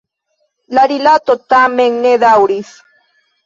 La rilato tamen ne daŭris.